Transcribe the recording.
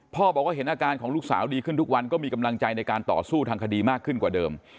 บอกว่าเห็นอาการของลูกสาวดีขึ้นทุกวันก็มีกำลังใจในการต่อสู้ทางคดีมากขึ้นกว่าเดิม